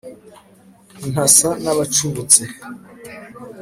Ntasa n'abacubutse